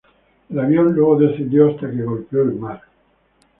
El avión luego descendió hasta que golpeó el mar.